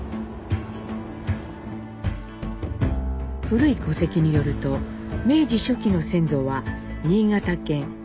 古い戸籍によると明治初期の先祖は新潟県下河根川村